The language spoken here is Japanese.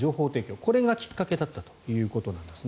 これがきっかけだったということなんですね。